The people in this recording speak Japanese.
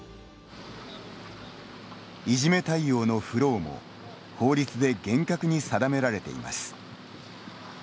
いじめ対応のフローも法律で厳格に定められています。